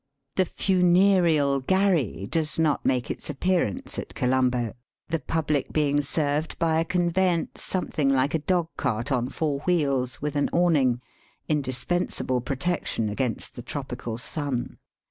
The funereal gharry does not make its appearance at Colombo, the public being served by a conveyance something like a dog cart on four wheels, with an awning — indis pensable protection against the tropical sun.